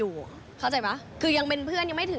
กุ๊บกิ๊บขอสงวนท่าที่ให้เวลาเป็นเครื่องที่สุดไปก่อน